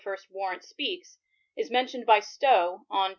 's Warrant speaks, is mentiond by Stowe on pp.